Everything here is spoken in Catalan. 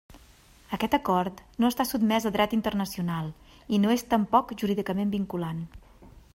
Aquest acord no està sotmès a dret internacional i no és tampoc jurídicament vinculant.